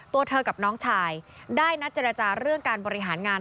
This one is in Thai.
ตัวเธอกับน้องชายได้นัดเจรจาเรื่องการบริหารงาน